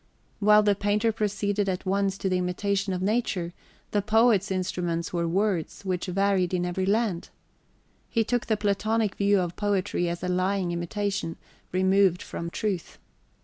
While the painter proceeded at once to the imitation of nature, the poet's instruments were words which varied in every land. He took the Platonic view of poetry as a lying imitation, removed from truth.